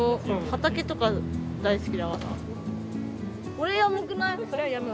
これヤバくない？